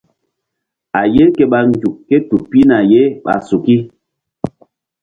A ye ke ɓa nzuk ké tu pihna ye ɓa suki.